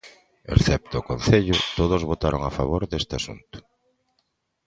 Excepto o Concello, todos votaron a favor deste asunto.